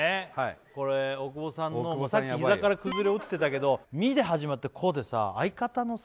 これ大久保さんのさっき膝から崩れ落ちてたけど「み」で始まって「こ」でさ相方のさ